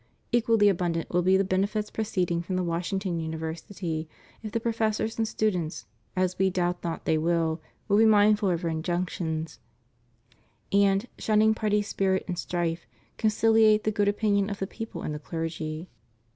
Equally abundant will be the benefits proceeding from the Wash ington University, if the professors and students (as We doubt not they will) be mindful of Our injunctions, and, shunning party spirit and strife, conciUate the good opinion of the people and the clergy.